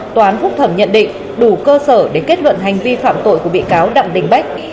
tòa án phúc thẩm nhận định đủ cơ sở để kết luận hành vi phạm tội của bị cáo đặng đình bách